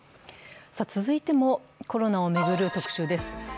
続いてもコロナを巡る「特集」です。